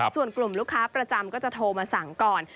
ส่วนกลุ่มลูกค้าประจำก็จะโทรมาสั่งก่อน